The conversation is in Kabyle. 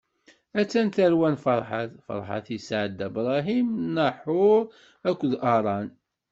A-tt-an tarwa n Farḥat: Farḥat isɛa-d Dda Bṛahim, Naḥuṛ akked Aṛan.